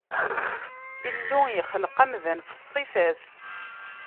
Illu yexleq amdan ɣef ṣṣifa-s.